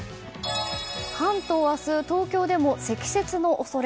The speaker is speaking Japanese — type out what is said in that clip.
関東は明日東京でも積雪の恐れ。